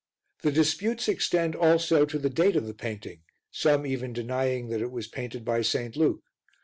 The disputes extend also to the date of the painting, some even denying that it was painted by St. Luke.